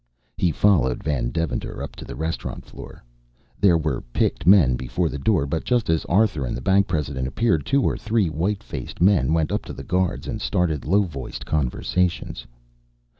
He followed Van Deventer up to the restaurant floor. There were picked men before the door, but just as Arthur and the bank president appeared two or three white faced men went up to the guards and started low voiced conversations.